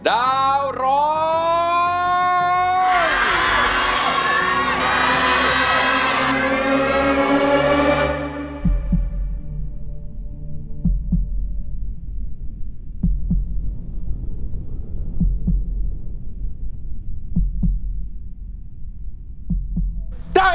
ดาวร้องดาว